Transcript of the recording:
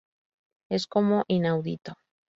Es como, inaudito.